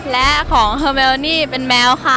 และของเฮอร์เวลนี่เป็นแมวค่ะ